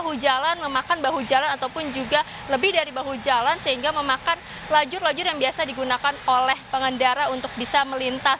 bahu jalan memakan bahu jalan ataupun juga lebih dari bahu jalan sehingga memakan lajur lajur yang biasa digunakan oleh pengendara untuk bisa melintas